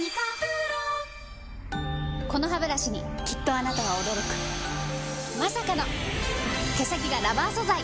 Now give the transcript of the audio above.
このハブラシにきっとあなたは驚くまさかの毛先がラバー素材！